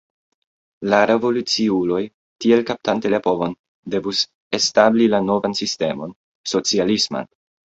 La revoluciuloj tiel kaptante la povon devus establi la novan sistemon, socialisman.